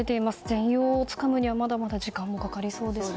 全容をつかむにはまだまだ時間がかかりそうですね。